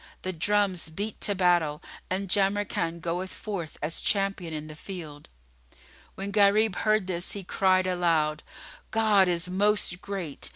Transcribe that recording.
The drums beat to battle and Jamrkan goeth forth as champion in the field." When Gharib heard this, he cried aloud, "God is Most Great!"